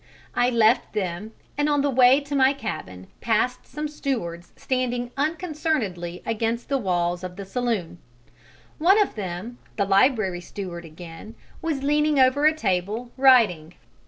I left them and on the way to my cabin passed some stewards standing unconcernedly against the walls of the saloon: one of them, the library steward again, was leaning over a table, writing.